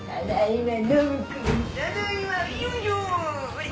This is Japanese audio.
ほれ。